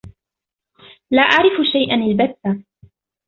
لا أعرف شيئًا البتّة.